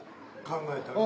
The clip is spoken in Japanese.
考えたの？